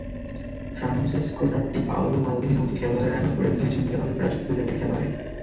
Francesco Totti, Paolo মালদিনির মতো খেলোয়াড়েরা এখন পরিণত হয়েছেন বিরল প্রজাতির খেলোয়াড়ে।